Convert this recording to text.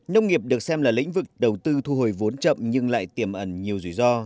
nông nghiệp được xem là lĩnh vực đầu tư thu hồi vốn chậm nhưng lại tiềm ẩn nhiều rủi ro